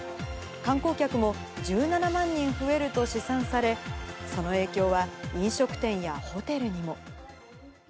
観光客も１７万人増えると試算され、その影響は飲食店やホテルにも。